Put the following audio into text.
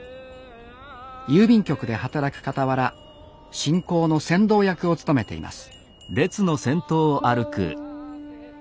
郵便局で働くかたわら信仰の先導役を務めています